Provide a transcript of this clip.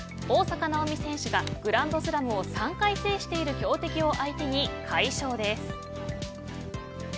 大坂なおみ選手がグランドスラムを３回制している強敵を相手に快勝です。